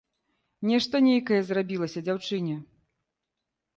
Нешта нейкае зрабілася дзяўчыне.